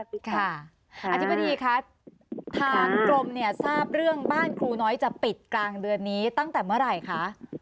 อธิบดีคะทางกรมเนี่ยทราบเรื่องบ้านครูน้อยจะปิดกลางเดือนนี้ตั้งแต่เมื่อไหร่คะ